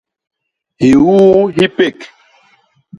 Hiuu hi pék.